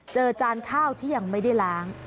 จานข้าวที่ยังไม่ได้ล้าง